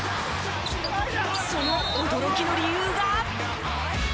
その驚きの理由が。